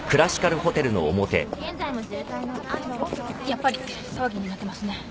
やっぱり騒ぎになってますね。